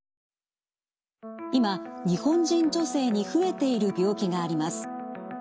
今日本人女性に増えている病気があります。